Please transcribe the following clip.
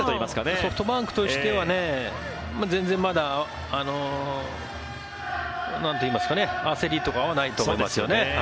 ソフトバンクとしては全然まだ焦りとかはないと思いますね。